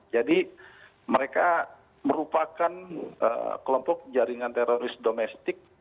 jadi mereka merupakan kelompok jaringan teroris domestik